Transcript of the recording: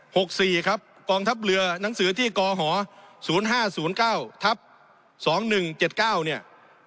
หกสี่ครับกองทัพเรือหนังสือที่กหอศูนย์ห้าศูนย์เก้าทับสองหนึ่งเจ็ดเก้าเนี่ย